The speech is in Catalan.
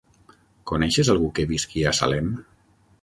Coneixes algú que visqui a Salem?